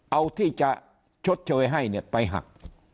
เอาที่จะชดเชยให้ไปหัก